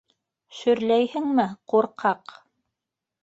- Шөрләйһеңме, ҡурҡаҡ?